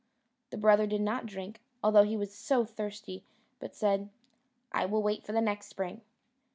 The brother did not drink, although he was so thirsty, but said, "I will wait for the next spring."